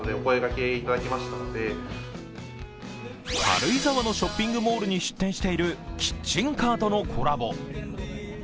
軽井沢のショッピングモールに出店しているキッチンカーとのコラボ。